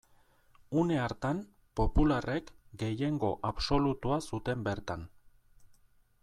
Une hartan, popularrek gehiengo absolutua zuten bertan.